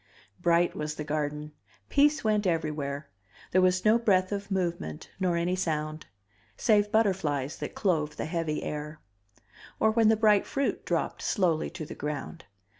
Bright was the garden; peace went everywhere There was no breath of movement nor any sound Save butterflies that clove the heavy air, Or when the bright fruit dropped slowly to the ground.